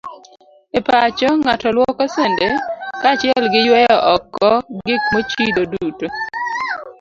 E pacho, ng'ato luoko sende kaachiel gi yweyo oko gik mochido duto.